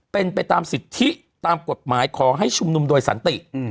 เป็นไปตามสิทธิตามกฎหมายขอให้ชุมนุมโดยสันติ